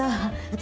私。